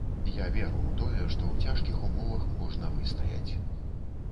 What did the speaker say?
Я веру ў тое, што ў цяжкіх умовах можна выстаяць.